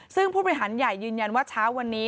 ซึ่งผู้บริหารใหญ่ยืนยันว่าเช้าวันนี้